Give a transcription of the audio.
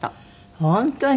本当に。